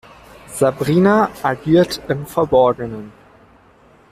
Sabrina agiert im Verborgenen.